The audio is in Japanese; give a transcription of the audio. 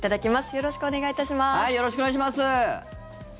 よろしくお願いします。